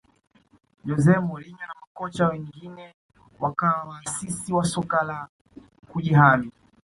jose mourinho na makocha wengine wakawa waasisi wa soka la kujihami